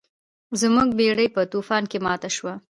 زموږ بیړۍ په طوفان کې ماته شوه.